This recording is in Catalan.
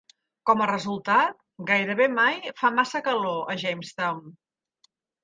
Com a resultat, gairebé mai fa massa calor a Jamestown.